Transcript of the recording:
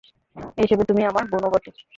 এ হিসেবে তুমি আমার বোনও বটে।